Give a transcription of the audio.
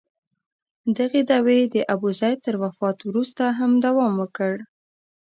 دغه دعوې د ابوزید تر وفات وروسته هم دوام وکړ.